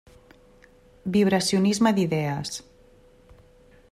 Vibracionisme d'idees.